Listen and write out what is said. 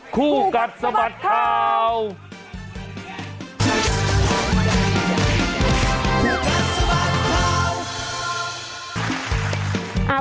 คู่กัดสะบัดข่าว